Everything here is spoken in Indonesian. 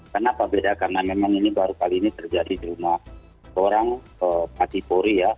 kenapa beda karena memang ini baru kali ini terjadi di rumah seorang mati polri ya